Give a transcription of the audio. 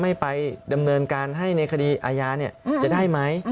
ไม่ไปดำเนินการให้ในคดีอาญาจะได้ไหม